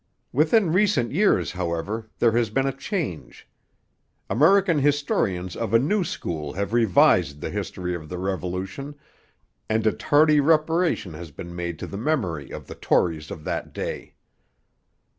Within recent years, however, there has been a change. American historians of a new school have revised the history of the Revolution, and a tardy reparation has been made to the memory of the Tories of that day.